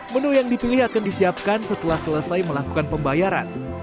menu yang dipilih akan disiapkan setelah selesai melakukan pembayaran